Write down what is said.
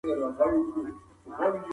انسان بايد خپل عزت له بدو عادتونو وساتي.